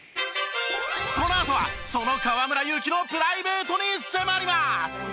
このあとはその河村勇輝のプライベートに迫ります。